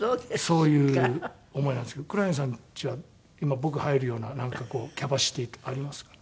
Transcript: そういう思いなんですけど黒柳さんちは今僕入るようななんかこうキャパシティーってありますか？